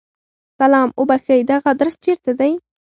سلام! اوبښئ! دغه ادرس چیرته دی؟